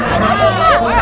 tidak ada apa apa